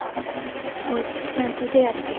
大月さんと出会って。